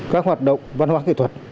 các hoạt động văn hóa kỹ thuật